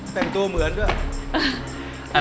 แต่งตัวเหมือนด้วย